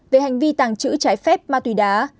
về hành vi tàng trữ trái phép ma túy đá